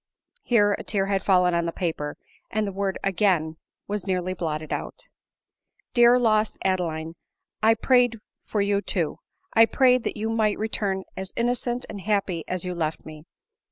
(Here a tear had fallen on the paper, and the word ' again' was nearly blotted out.) Dear, lost Adeline, I prayed for you too ! I prayed that you might return as innocent and happy as you left me.